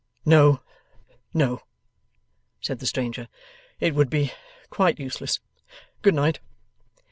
'No, no,' said the stranger; 'it would be quite useless. Good night.